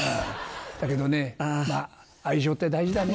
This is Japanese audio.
だけどねまっ愛情って大事だね。